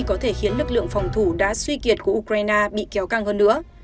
có thể khiến lực lượng phòng thủ đã suy kiệt của ukraine bị kéo căng hơn nữa